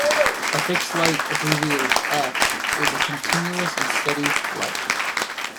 A fixed light, abbreviated "F", is a continuous and steady light.